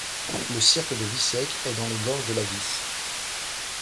Le cirque de Vissec est dans les Gorges de la Vis.